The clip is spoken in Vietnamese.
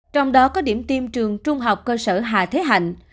trong đó có điểm tiêm trường trung học cơ sở hà thế hạnh